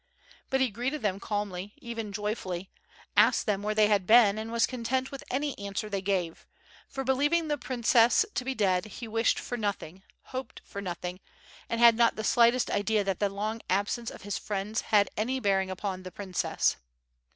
But he greeted them calmly, even joyfully, asked them where ihey had been and was content with any answer they gave, for believing the princess to be dead, he wished for nothing, hoped for nothing, and had not the slightest idea that the long absence of his friends had any bearing upon the princess.